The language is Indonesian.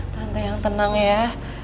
tante yang tenang ya